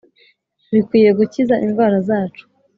bikwiye gukiza indwara zacu